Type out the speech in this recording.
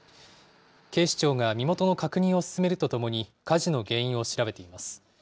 警視庁が身元の確認を進めるとともに、火事の原因を調べています。